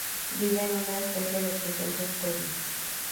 Vive en una especie de presente eterno.